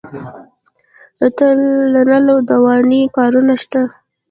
د نل دوانۍ کارونه شته